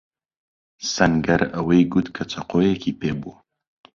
سەنگەر ئەوەی گوت کە چەقۆیەکی پێبووە.